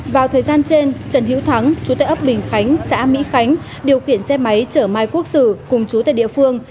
vào thời gian trên trần hiếu thắng chú tài ấp bình khánh xã mỹ khánh điều khiển xe máy chở mai quốc sự cùng chú tài địa phương